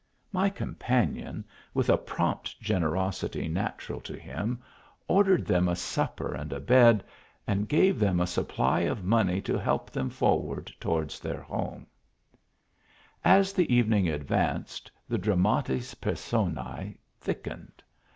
My companion, with a prompt generosity, natural to him, ordered them a supper and a bed, and gave them a supply of money to help them for ward towards their home, As the evening advanced, the dramatis persona? .hickened.